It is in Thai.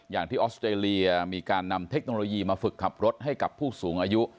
ออสเตรเลียมีการนำเทคโนโลยีมาฝึกขับรถให้กับผู้สูงอายุ